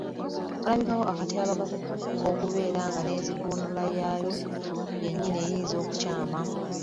Walabikawo akatyabaga k’okubeera nga n’enzivuunula yaayo yennyini eyinza okukyama